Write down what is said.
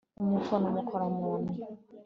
umukoni umukora mu nnyo